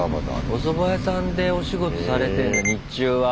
おそば屋さんでお仕事されてんだ日中は。